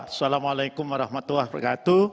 assalamu'alaikum warahmatullahi wabarakatuh